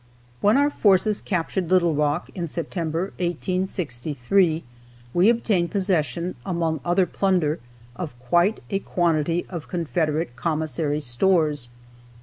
When our forces captured Little Rock in September, 1863, we obtained possession, among other plunder, of quite a quantity of Confederate commissary stores.